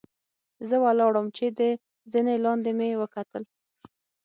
زۀ ولاړ ووم چې د زنې لاندې مې وکتل